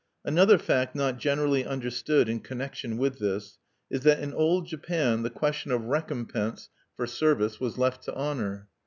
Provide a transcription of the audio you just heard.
Another fact not generally understood in connection with this is that in Old Japan the question of recompense for service was left to honor.